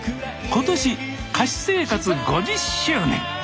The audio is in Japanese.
今年歌手生活５０周年。